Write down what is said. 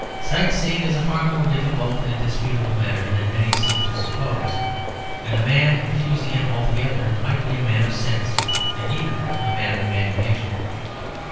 Sight seeing is a far more difficult and disputable matter than many seem to suppose; and a man refusing it altogether might be a man of sense and even a man of imagination.